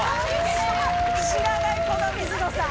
知らないこの水野さん。